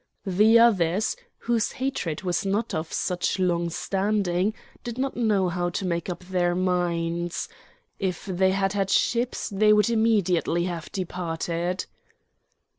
The others, whose hatred was not of such long standing, did not know how to make up their minds. If they had had ships they would immediately have departed.